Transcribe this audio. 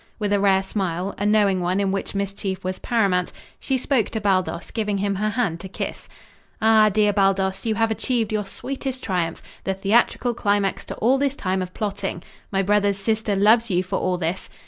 With a rare smile a knowing one in which mischief was paramount she spoke to Baldos, giving him her hand to kiss. "Ah, dear Baldos, you have achieved your sweetest triumph the theatrical climax to all this time of plotting. My brother's sister loves you for all this.